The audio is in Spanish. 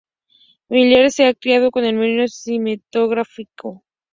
Miller se ha criado en el medio cinematográfico.